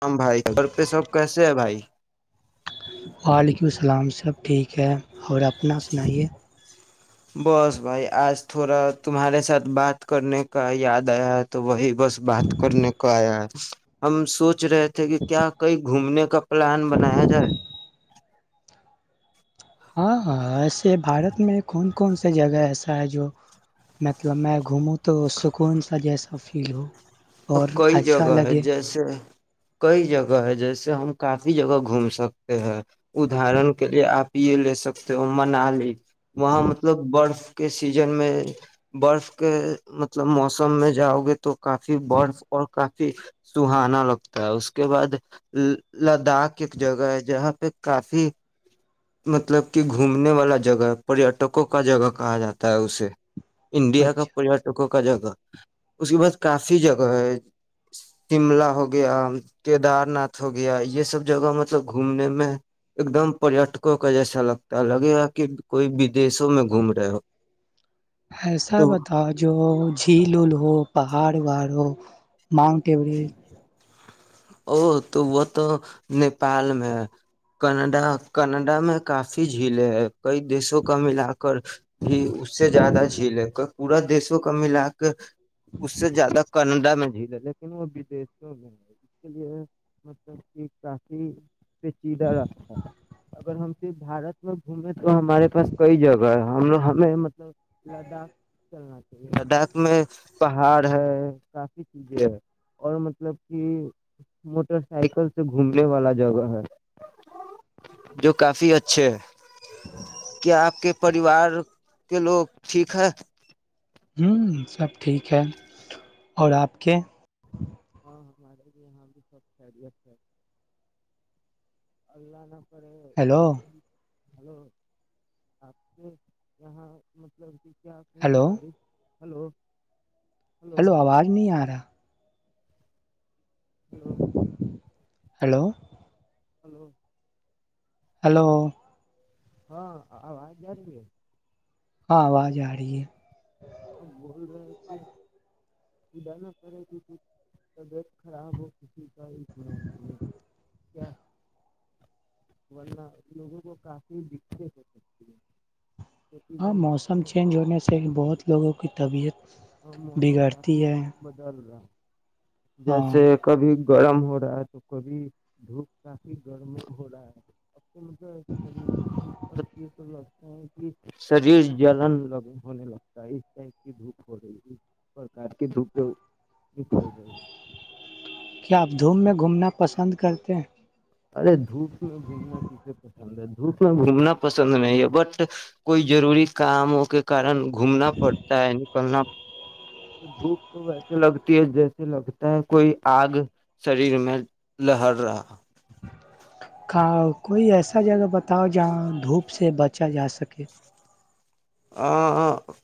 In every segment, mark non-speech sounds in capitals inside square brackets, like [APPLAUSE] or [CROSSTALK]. harm بھائی گھر پہ شب کیسے ہے بھائی وعلیکم السلام سب ٹھیک ہے اور اپنا سنائیے بس بھائی آج تھوڑا تمہارے ساتھ بات کرنے کا یاد آیا تو وہی بس بات کرنے کو آیا ہم سوچ رہے تھے کہ کیا کہئییں گھومنے کا پلان بنایا جائے ہاں ہاں ایسے بھارت میں کون کون سی جگہ ایسا ہے جو مطلب میں گھوموں تو سکون سا جیسا ا فیل ہو اب اور کئی اچھا جگہ ہے لگے جیسے کئی جگہ ہے جیسے ہم کافی جگہ گھوم سکتے ہیں ادرن کے لیے آپ پی لے سکتے ہو منال وہاں مطلب بڑ کے سیزن میں برف کے مطلب موسم میں جاؤ گے تو کافی کافی برف اور کافی سہانا لگتا ہے اس کے بعد لداخ ایک جگہ ہے جہاں پہ کافی مطلب کہ گھومنے والا جگہ پریٹکوں کا جگہ کہا جاتا ہے اسے انڈیا کا اچھا پریٹکوں کا کا جگہ اس کے بعد کافی جگہ ہے شملہ ہوگیا کیدار ناتھ ہوگیا یہ سب جگہ مطلب گھومنے میں ایک دم پٹ کا جیسا لگتا لگے گا کہ کوئی بدشوں میں گھوم رہے ہو ایسا تو بتاؤ جو جھیلل ہو پہاڑ واڑ ہو مگ ٹی بڑی او تو وہ تو نیپال میں ہے کنڈا کنڈا میں کافی جھیلیں ہے کئی دیشوں کا ملا کر بھی اس سے زیادہ جھیل پورا دیشوں کا ملا کر ک [INAUDIBLE] اس سے زیادہ قم میں جھیل ہے لیکن وہدیش کیوں نہیںی اس کے لیے مطلب کہ کافی پیچیدہ رست ہے اگر ہم بارت م گومے تو ہمارے پاس کئی جگہ ہے ہم ہمیں مطلب لداخ چلنا تھا لداخ میں پہاڑ ہے کافی چیزیں ہے اور مطلب کہ موٹر سائیکل سے گھومنے والا جگہ ہے جو کافی اچھے ہے کیا آپ کے پریوار کے لوگ ٹھیک ہے ہ سب ٹھیک ہے اور آپ کے ہاں ہمارے بھی یہاں بھی سب خیریت ہے اللہ نہ پر ہیلو ہلو آپ کے یہاں مطلب کیا کوئی ہیلو بارش ہلو [UNINTELLIGIBLE] ہلو آواز نہیں آ رہا ہلو ہلو [UNINTELLIGIBLE] ہلو [UNINTELLIGIBLE] ہلو [UNINTELLIGIBLE] ہاں آ آاز جیا رہ رہ ہے ہاں آواز آ رہی ہے اب بول رہے کہ خدا نہ کرے کہھ طبیعت خراب ہو کسی کا اس موسم میں کیا ورنہ ان لوگوں کو کافی دقتیں ہو سکتی ہے کیونکہ ہاں یہ موسم چینج ہونے سے بہت لوگوں کو کی طبیعت ہاں موسم بگڑتی کافی ہے بدل رہا ہے ہاں جیسے کبھی گرم ہو رہا ہے تو کبھی دھوپ کافی گرم ہو رہا ہے ان شریر سے دھوپ پڑتی لہ بیس [UNINTELLIGIBLE] شریر جلن ل ہونے لگتا ک کی دھو ہو رہی ہے پرکار کے درپوگ [UNINTELLIGIBLE] کیا آپ دھوم میں گھومنا پسند کرتے ہیں [UNINTELLIGIBLE] ارے دھوپ میں گھومنا کیسے پسند ہے دھوپ میں گھومنا پسند نہیں ہے بٹ کوئی ضروری کاموں کے کارن گھومنا پڑتا ہے کرناتا دھوپ تو ویسے لگتی ہے جیسے لگتا ہے کوئی آگ شریر میں لہر رہا کا کوئی ایسا جگہ بتاؤ جہاں دھوپ سے بچا جا سکے ا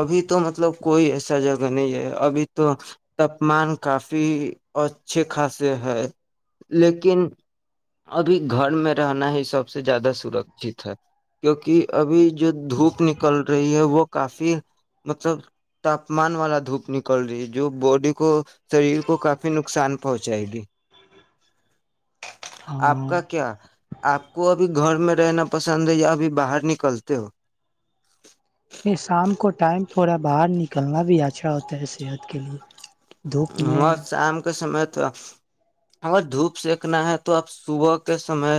ابھی تو مطلب کوئی ایسا جگہ نہیں ہے ابھی تو تاپمان کافی اچھے خاصے ہے لیکن ابھی گھر میں رہنا ہی سب سے زیادہ سرکچت ہے کیوںکہ ابھی جو دھوپ نک کل رہی ہے وہ کافی مطلب تاپمان والا دھوپ نکل رہی ہے جو باڈی کو شریر کو کافی نقصان پہنچائے گی آپ ہاں کا کیا آپ کو ابھی گھر میں رہنا پسند ہے یا ابھی باہر نکلتے ہو یہ شام کو ٹائم تھوڑا باہر نکلنا بھی اچھا ہوتا ہے صحت کے لیے دھوپ میں ہاں شام کا سمے اگر دھوپ سکنا ہے تو آپ صبح کے سمے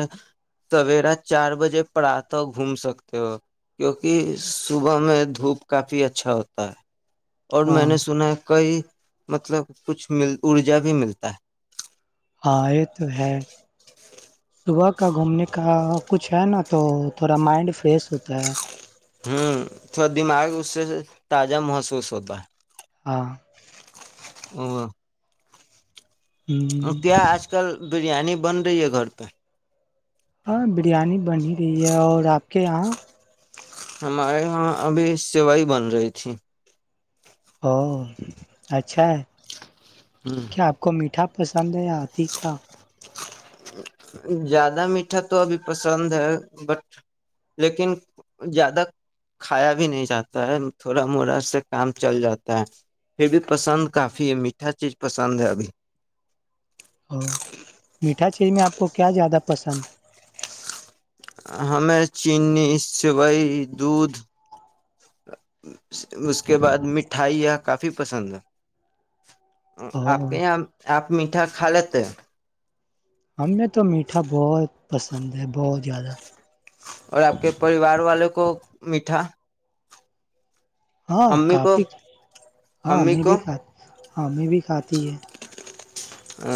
سویرا چار بجے پرات گھوم سکتے ہو کیوںکہ صبح میں دھوپ کافی اچھا ہوتا ہے اور میں ہاں نے سنا ہے کئی مطلب کچھ مل ارجا بھی ملتا ہے ہئے تو ہے صبح کا گھومنے کا کچھ ہے نا تو تھوڑا مائنڈ فریش ہوتا ہے ہوں تھوڑا دماغ اس سے تازہ محسوس ہوتا ہے ہاں [INAUDIBLE] اور کیا آج کل بریانی بن رہی ہے گھر پہ کہ یہاں ہمارے یہاں ابھی سوائی بن رہی تھی ا اچھا ہے کیا آپ کو میٹھا پسند ہےیا تیکا زیادہ مٹی میٹھا تو ابھی پسند ہے بٹ لیکن زیادہ کھایا بھی نہیں جاتا ہے تھوڑا موڑا سے کام چل جاتا ہے پھر بھی پسند کافی ہے میٹھا چیز پسند ہے ابھی ا میٹھا چی میں آپ آ کو کیا زیادہ پسند ہمیں چینی سوئی دودھ اس کے بعد مٹھائیاں کافی پسند ہے آپ او کے یہاں آپ میٹا خالے تو ہمیں تو میٹھا بہت پسند ہے بہت زیادہ اور آپ کے پریوار والوں کو میٹھا ہاں امی کو کافی ہاں امی میں بھی کو کہ ہمیں بھی کھاتی ہے ا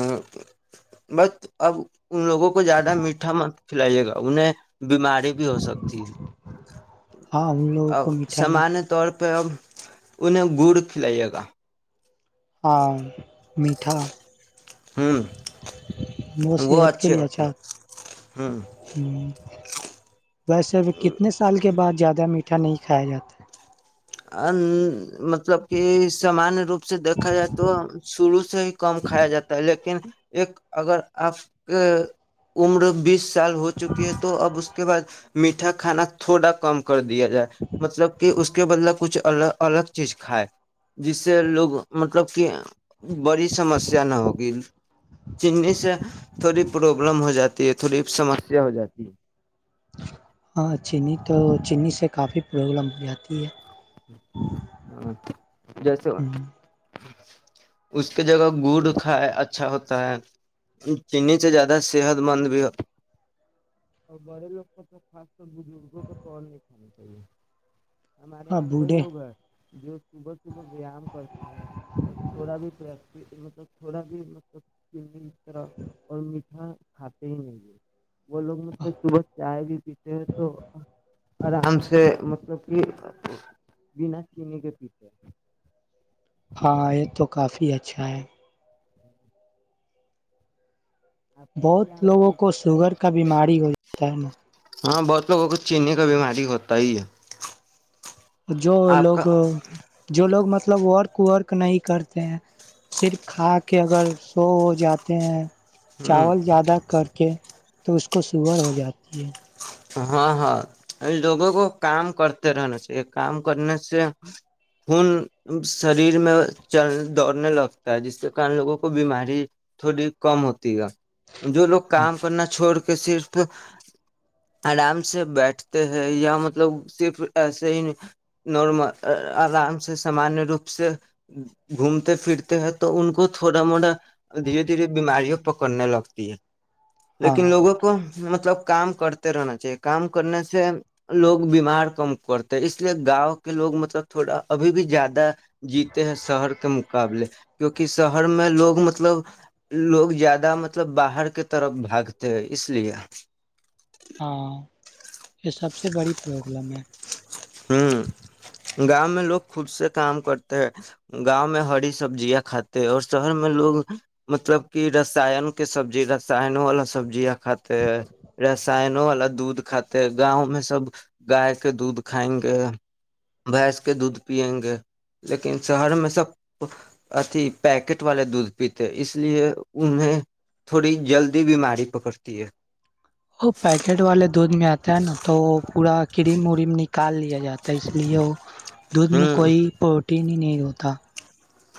بس اب ان لوگوں کو زیادہ میٹھا من کھلائیے گا انہیں بیماری بھی ہو سکتی ہے ہاں ان لوگوں اب کو میٹھا نہیں سامانیہ طور پہ اب انہیں گڑ کھلائیے گا ہاں ہ [INAUDIBLE] وہ صحت کے اچھے لیے ہوتے اچھا ہ ہیں ہ ویسے کتنے سال کے بعد زیادہ م اٹا نہیں کا جات ہے مطلب کہ سامانیہ روپ سے دیکھا جائے تو شروع سے ہی کم کھایا جاتا ہے لیکن ایک اگر آپ کے عمر بیس سال ہو چکی ہے تو اب اس کے بعد میٹھا کھانا تھوڑا کم کر کر دیا جائے مطلب کہ اس کے بلب کچھ الگ الگ چیز کھائے جس سے لوگ مطلب کہ بڑی سمسیا نہ ہوگی چی سے تھوڑی پرابلم ہو جاتی ہے تھوڑی سمسیا ہو جاتی ہے ہاں چینی تو چینی سے کافی پرابلم ہو جاتی ہے ہاں جیس ہو ہوں، اس کے جگہ گڑ کائے اچھا ہوتا چینی سے زیادہ صحت مند بھی ہو اور بڑے لوگ کو تو خاص کر بزرگوں کو تو اور نہیں کھانا چاہے ہمارے ہاں یہاں تو بوڑھے لوگ ہے جو صبح صبح ویام کرتے ہیں اور تھوڑا بھی مطلب تھوڑا بھی مطلب طرح اور م ہاں کھاتے ہی نہیں وہ لوگ مطلب صبح چائے بھی پیتے ہیں تو آرام سے مطلب کہ ج نا چین کے پیھے ہاں یہ تو کافی اچھا ہے آپ کا کیا بہت لوگوں مطلب کو شوگر کا بیماری ہوتا ہے نا ہاں بہت لوگوں کو چیننے کا بیماری ہوتا ہی ہے جو آپ لوگ کا جو لوگ مطلب ورک ورک نہیں کرتے ہیں صرف کھا کے اگر سو ہو جاتے ہیں ہ چاول زیادہ کر کے تو اس کو سور ہو جاتی ہے ہاں ہاں لوگوں کو کام کرتے رہنا چاہیے کام کرنے سے خون شریر میں چل دوڑنے لگتا ہے جس کے کن لوگوں کو بیماری تھوڑی کم ہوتی ہے جو لوگ ہاں کام کرنا چھوڑ کے کہ صرف آرام سے بیٹھتے ہیں یا مطلب صرف ایسے ہی نارمل آرام سے سامانیہ روپ سے گھومتے پھرتے ہیں تو ان کو تھوڑا موڑا دھیرے دھیرے بیمارییاں پکڑنے لگتی ہے ہاں لیکن لوگوں کو مطلب کام کرتا رہنا چاہیے کام کرنے سے لوگ بیمار کم کرتے اس لیے گاؤں کے لوگ مطلب تھوڑا ابھی بھی زیادہ جیتے ہیں شہر کے مقابلے کیونکہ شہر میں لوگ مطلب لوگ زیادہ مطلب باہر کے طرف بھاگتے ہیں اس لیے ہاں یہ سب سے بڑی پرابلم ہے ہوں گاؤں مں لوگ خود سے کام کرتے ہے گاؤں مں ہری سبزیاں کھاتے اور شہر م لوگ مطلب کہ رسان کے سبزی رسائن والا سبزیاں خطر رسائن والا دودھ کھے گاؤں میں سب گائے کے دودھ کھائیں گے بھینس کے دودھ پیئیں گے لیکن شہر میں سب اھی پیکٹ والے دودھ پیتے اس لیے انہیں تھوڑی جلدی بیماری پکڑتی ہے وہ پیکٹ والے دودھ میں آتا ہے نا تو وہ پورا کریم وریم نکال لیا جاتا ہے اس لیے وہ دودھ میں ہ کوئی پروٹین ہی نہیں ہو تھا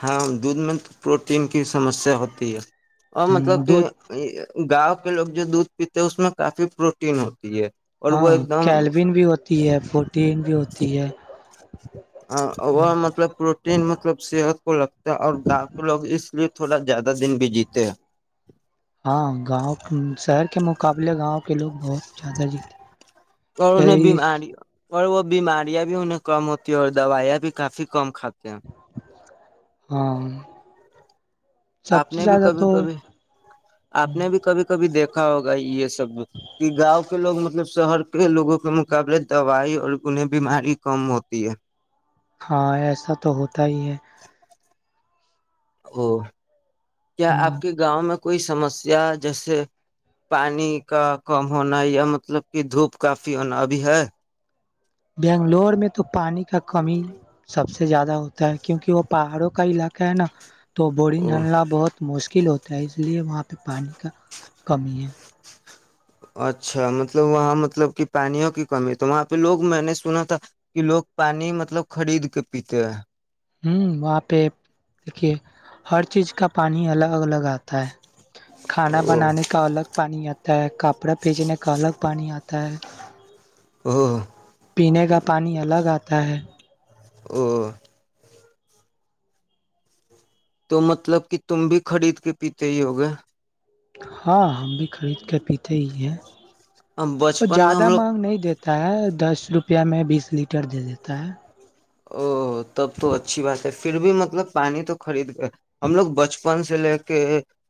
ہاں دودھ میں تو پروٹین کی سمسیا ہوتی ہے اور مطلب کہ دودھ گاؤں کے لوگ جو دودھ پیتے ہیں اس میں کافی پروٹین ہوتی ہے اور وہ ہاں ایک دم کیلبین بھی ہوتی ہے فوٹین بھی ہوتی ہے وہ مطلب پروٹین مطلب صحت کو لگتا ہے اور گاؤ کو لوگ اس لیے تھوڑا زیادہ دن بھی جیتے ہیں ہاں گاؤں شہر کے مقابلے گاؤں کے لوگ بہت زیادہ جیتے اور ان نے یہی بیماری ہو اور وہ بیماریاں بھی انہیں کم ہوتی ہے اور دوائیاں بھی کافی کم کھاتی کیا [UNINTELLIGIBLE] ہاں سب آپ سے نے بھی زیادہ کبھی تو کبھی آپ نے بھی کبھی کبھی دیکھا را ہوگا یہ س کہ گاؤں کے لو مطلب مطلب شہر کے لوگوں کے مقابلے دوائی اور گنے بیماری کم ہوتی ہے ہاں ایسا تو ہوتا ہی ہے او [UNINTELLIGIBLE] کیا آپ کے گاؤں میں کوئی سمسیا جیسے پانی کا کم ہونا یا مطلب کہ دھوپ کافی ہونا ابھی ہے بنگلور میں تو پانی کا کمی سب سے زیادہ ہوتا ہے کیونکہ وہ پہاڑوں کا علاقہ ہے نا تو بورنگ او ڈھلنا بہت مشکل مشکل ہوتا ہے اس لیے وہاں پہ پانی کا کمی ہے اچھا مطلب وہاں مطلب کہ پانیوں کی کمی تو وہاں پہ لوگ میں نے سنا تھا کہ لوگ پانی مطلب خرید کے پیتے ہیں ہوں وہاں پہ دیکھیے ہر چیز کا پانی الگ الگ آتا کھانا او بنانے کا الگ پانی آتا ہے کپڑا پیجنے کا الگ پانی آتا ہے ہاںاں پینے کا پانی الگ آتا ہے [INAUDIBLE] تو مطلب کہ تم بھی خرید کے پیتے ہی ہو گے ہاں ہم بھی خرید کے پیتے ہی ہیں ہم وہ بچپن میں زیادہ ہم لوگ مانگ نہیں دیتے دیتا ہے دس روپیہ میں بیس لیٹر دے دیتا ہے او تب تو اچھی بات ہے پھر بھی مطلب پانی تو خرید کر ہم لوگ بچپن بپن سے لے کے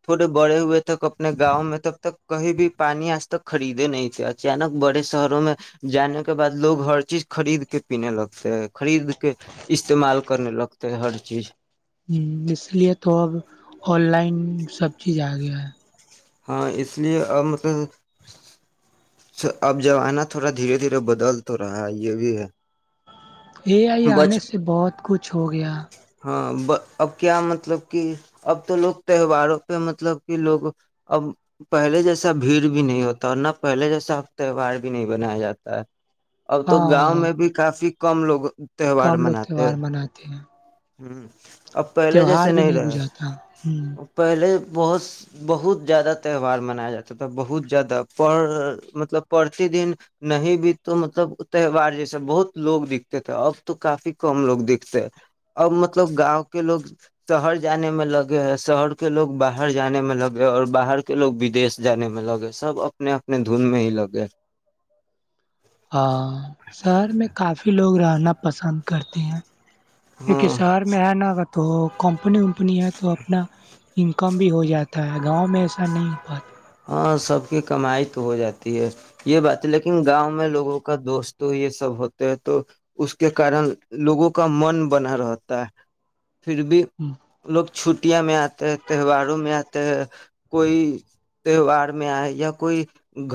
تھوڑے بڑے ہوئے تک اپنے گاؤں میں تب تک کہیں بھی پانی آج تک خریدے نہیں تھ اچانک بڑے شہروں میں جانے کے بعد لوگ ہر چیز خرید کے پینے لگتے ہیں خرید کے استعمال کرنے لگتے ہیں ہر چیز ہ اس لیے تو اب آن لائن سب چیز آ گیا ہے ہاں اس لیے اب مطلب س اب زمانہ تھوڑا دھیرے دھیرے بدل تو رہا ہے یہ بھی ہے اے آئی آنے بچ سے بہت کچھ ہو گیا ہاں اب کیا مطلب کہ اب تو لوگ تہواروں پہ مطلب کہ لوگ اب پہلے جیسا بھیڑ بھی نہیں ہوتا اور نہ پہلے جیسا اب تہوار بھی نہیں بنایا جاتا ہے اب تو گاؤں ہاں میں بھی کافی کم لوگوں کم لوگ تہوار مناتے ہیں ہوں اب پہلے تہوار جیسے بھی نہیں رہے گزاتا ہ پہلے بہت بہت زیادہ تہوار منایا جاتا تھا بہت زیادہ پر مطلب پرتی دن نہیں بھی تو مطلب تہوار جیسے بہت لوگ دکھتے تھے اب تو کافی کم لوگ دکھتے ہیں اب مطلب گاؤں کے لوگ شہر جانے میں لگے ہیں شہر کے لوگ باہر جانے میں لگے اور باہر کے لوگ بدیش جانے میں لگے سب اپنے اپنے دن میں ہی لگے ہاں سر میں کافی لوگ رہنا پسند کرتے ہیں کیونکہ ہاں شہر میں ہے نا تو کمپنی ومپنی ہے تو اپنا انکم بھی ہو جاتا ہے گاؤں میں ایسا نہیں ہو پاتا ہاں سب کی کمائی تو ہو جاتی ہے یہ بات ہے لیکن گاؤں میں لوگوں کا دوست یہ سب ہوتے ہیں تو اس کے کارن لوگوں کا من بنا رہتا ہے پھر بھی لوگ چھٹیاں میں آتے ہیں تہواروں میں آتے ہیں کوئی تہوار میں آئے یا کوئی